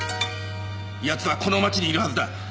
奴はこの町にいるはずだ。